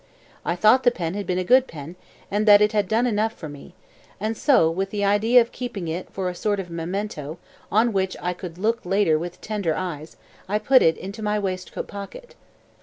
I thought the pen had been a good pen and that it had done enough for me, and so, with the idea of keeping it for a sort of memento on which I could look later with tender eyes, I put it into my waistcoat pocket.